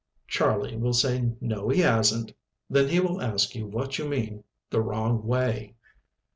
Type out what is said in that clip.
Charlie will say no he hasn't. Then he will ask what you mean the wrong way.